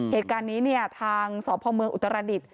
เหตุการณ์นี้เนี่ยทางสพเมืองอุตรดิษฐ